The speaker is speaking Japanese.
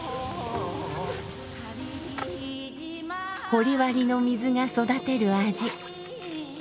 掘割の水が育てる味。